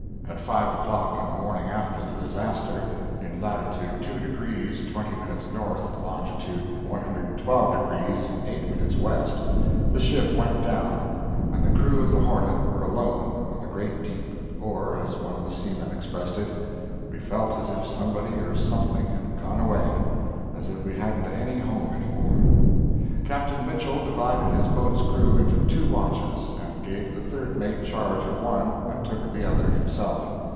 At five o'clock on the morning after the disaster, in latitude 2 degrees 20' north, longitude 112 degrees 8' west, the ship went down, and the crew of the Hornet were alone on the great deep, or, as one of the seamen expressed it, "We felt as if somebody or something had gone away—as if we hadn't any home anymore." Captain Mitchell divided his boat's crew into two watches and gave the third mate charge of one and took the other himself.